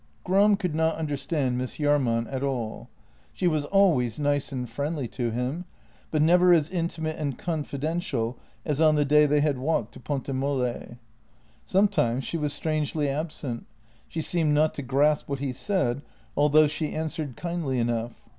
Gram could not understand Miss Jahrman at all. She was always nice and friendly to him, but never as intimate and confidential as on the day they had walked to Ponte Molle. Sometimes she was strangely absent; she seemed not to grasp what he said, although she answered kindly enough.